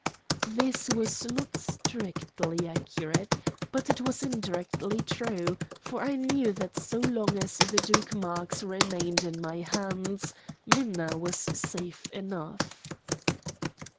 This was not strictly accurate, but it was indirectly true, for I knew that so long as the Duke Marx remained in my hands Minna was safe enough.